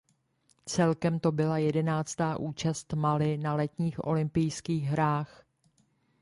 Celkem to byla jedenáctá účast Mali na letních olympijských hrách.